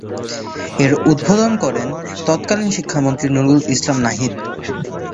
এর উদ্বোধন করেন তৎকালীন শিক্ষামন্ত্রী নুরুল ইসলাম নাহিদ।